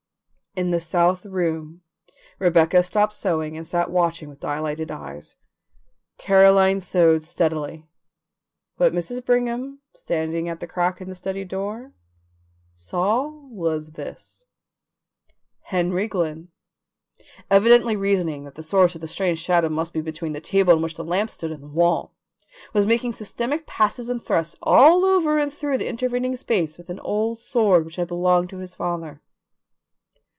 In the south room Rebecca stopped sewing and sat watching with dilated eyes. Caroline sewed steadily. What Mrs. Brigham, standing at the crack in the study door, saw was this: Henry Glynn, evidently reasoning that the source of the strange shadow must be between the table on which the lamp stood and the wall, was making systematic passes and thrusts all over and through the intervening space with an old sword which had belonged to his father.